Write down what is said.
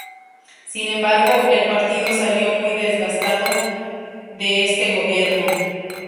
Sin embargo, el partido salió muy desgastado de este gobierno.